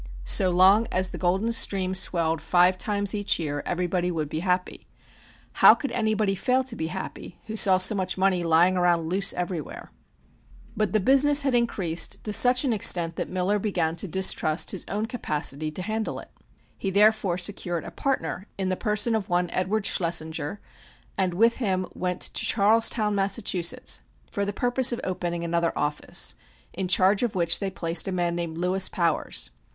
So long as the golden stream swelled five times each year everybody would be happy. How could anybody fail to be happy who saw so much money lying around loose everywhere? [Illustration: One of Miller's Franklin Syndicate Receipts.] But the business had increased to such an extent that Miller began to distrust his own capacity to handle it. He therefore secured a partner in the person of one Edward Schlessinger, and with him went to Charlestown, Mass., for the purpose of opening another office, in charge of which they placed a man named Louis Powers.